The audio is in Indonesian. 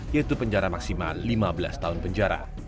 yaitu penjara maksimal lima belas tahun penjara